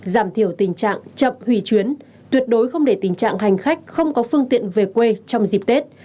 giảm thiểu tình trạng chậm hủy chuyến tuyệt đối không để tình trạng hành khách không có phương tiện về quê trong dịp tết